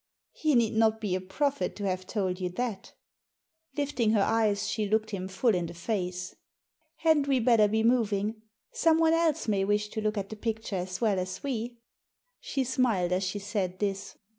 " He need not be a prophet to have told you that" Lifting her eyes she looked him full in the face. " Hadn't we better be moving? Someone else may wish to look at the picture as well as we." She smiled as she said this.